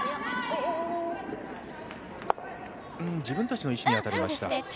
自分たちの石に当たりました。